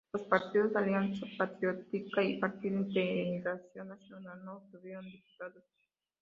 Los partidos Alianza Patriótica y Partido Integración Nacional no obtuvieron diputados.